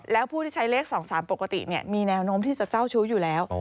แล้วผู้ที่ใช้เลข๒๓ปกติมีแนวโน้มที่จะเจ้าชู้อยู่แล้ว